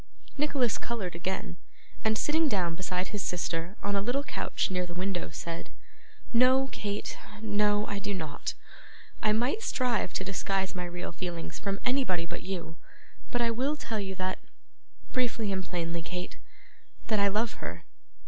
Nicholas coloured again, and, sitting down beside his sister on a little couch near the window, said: 'No, Kate, no, I do not. I might strive to disguise my real feelings from anybody but you; but I will tell you that briefly and plainly, Kate that I love her.